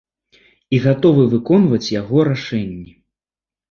І гатовы выконваць яго рашэнні.